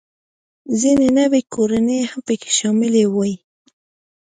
ځینې نوې کورنۍ هم پکې شاملې وې